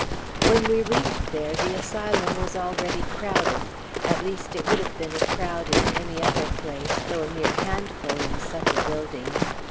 When we reached there, the Asylum was already crowded at least, it would have been a crowd in any other place, though a mere handful in such a building.